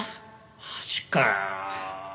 マジかよ。